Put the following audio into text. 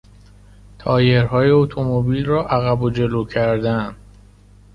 تایرهای اتومبیل را عقب و جلو کردن